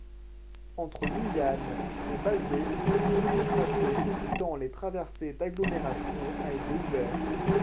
Entre Nouilhan et Bazet, un nouveau tracé évitant les traversées d'agglomérations a été ouvert.